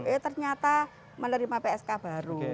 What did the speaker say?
eh ternyata menerima psk baru